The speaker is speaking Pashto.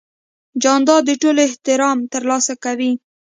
جانداد د ټولو احترام ترلاسه کوي.